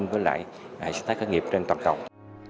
với lại hệ sinh thái khởi nghiệp trên toàn cộng